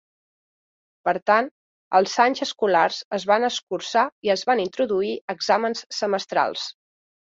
Per tant, els anys escolars es van escurçar i es van introduir exàmens semestrals.